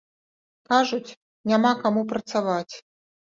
Кажуць, няма каму працаваць.